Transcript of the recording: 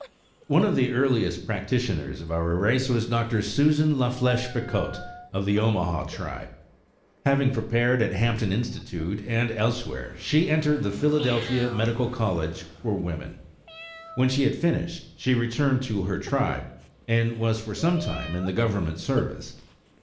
One of the earliest practitioners of our race was Dr. Susan La Flesche Picotte of the Omaha tribe. Having prepared at Hampton Institute and elsewhere, she entered the Philadelphia Medical College for Women. When she had finished, she returned to her tribe, and was for some time in the Government service.